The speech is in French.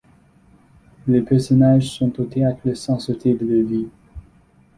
Les personnages sont au théâtre sans sortir de leur vie.